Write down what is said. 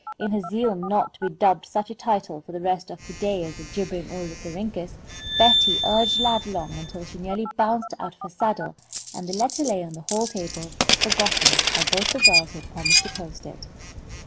In her zeal not to be dubbed such a title for the rest of the day as a jibbering ornithorhynchus, Betty urged Lad along until she nearly bounced out of her saddle, and the letter lay on the hall table, forgotten by both the girls who had promised to post it.